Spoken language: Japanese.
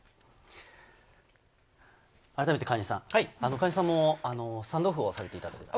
川西さんもスタンドオフをされていたということで。